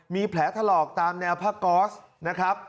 มีแผลถลอกตามแนวผ้าก๊อสนะครับ